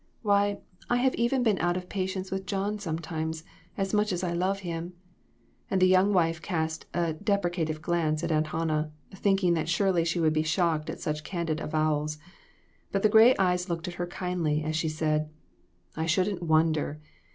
Why, I have even been out of patience with John sometimes, as much as I love him," and the young wife cast a deprecative glance at Aunt Hannah, thinking that surely she would be shocked at such candid avowals. But the gray eyes looked at her kindly as she said " I shouldn't wonder.